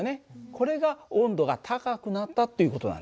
これが温度が高くなったっていう事なんだ。